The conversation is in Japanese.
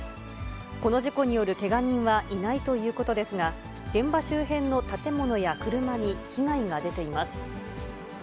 この事故によるけが人はいないということですが、現場周辺の建物や車に被害が出ています。